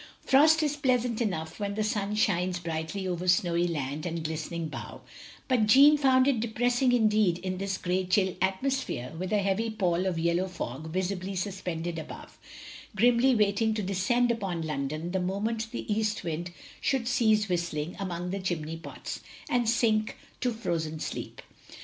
Frost is pleasant enough when the sun shines brightly over snowy land and glistening bough, but Jeanne found it depressing indeed in this grey chill atmosphere, with a heavy pall of yellow fog visibly suspended above; grimly waiting to descend upon London the moment the east wind should cease whistling among the chimney pots, and sink to frozen sleep.